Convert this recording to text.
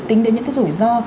tính đến những cái rủi ro